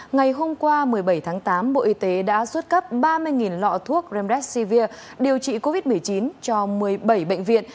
ngày hôm qua một mươi bảy tháng tám bộ y tế đã xuất cấp ba mươi lọ thuốc remdesivir điều trị covid một mươi chín cho một mươi bảy bệnh viện